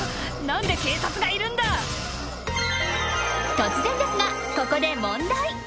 ［突然ですがここで問題］